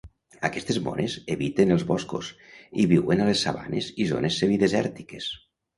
Aquestes mones eviten els boscos i viuen a les sabanes i zones semidesèrtiques.